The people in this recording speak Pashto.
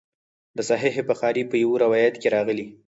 د صحیح بخاري په یوه روایت کې راغلي.